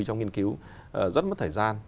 trong nghiên cứu rất mất thời gian